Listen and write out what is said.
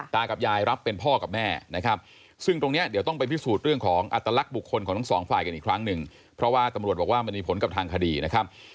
ตากับยายรับเป็นพอกับแม่นะครับ